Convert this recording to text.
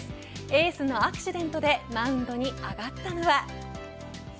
エースのアクシデントでマウンドに上がったのは。